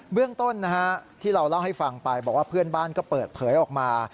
เรื่องต้นที่เราเล่าให้ฟังไปบอกว่าเพื่อนบ้านก็เปิดเผยออกมา